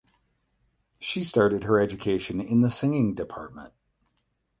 She started her education in the singing department.